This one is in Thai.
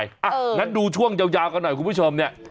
อ้าวนั่นดูช่วงยาวกันหน่อยคุณผู้ชม